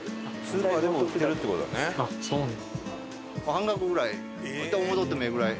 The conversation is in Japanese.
半額ぐらいって思っとってもええぐらい。